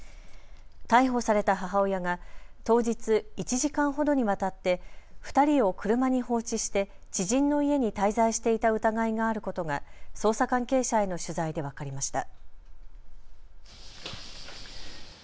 逮捕された母親が当日１時間ほどにわたって２人を車に放置して知人の家に滞在していた疑いがあることが捜査関係者への取材で分かりました。